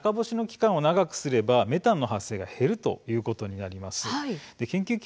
中干しをする期間を長くするとメタンの発生は減るということになります。